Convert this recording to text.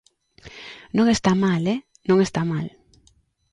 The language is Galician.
Non está mal, ¡eh!, non está mal.